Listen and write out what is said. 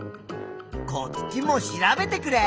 こっちも調べてくれ。